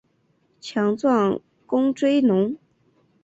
强壮沟椎龙。